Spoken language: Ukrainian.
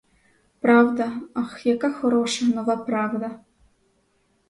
Правда, ах, яка хороша, нова правда!